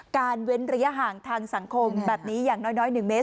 เว้นระยะห่างทางสังคมแบบนี้อย่างน้อย๑เมตร